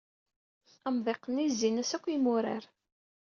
Amḍiq-nni zzin-as-d akk imurar.